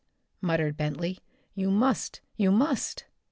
muttered Bentley. "You must, you must!"